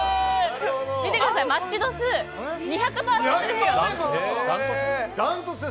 見てくださいマッチ度数、２００％！２００％！